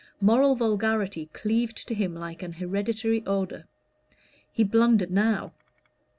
Moral vulgarity cleaved to him like an hereditary odor. He blundered now.